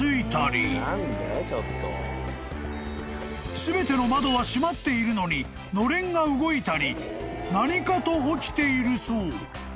［全ての窓は閉まっているのにのれんが動いたり何かと起きているそう］